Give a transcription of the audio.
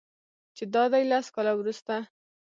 چې دادی لس کاله وروسته